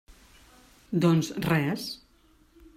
Doncs res.